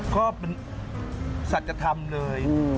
ก็เป็นสัจธรรมเลย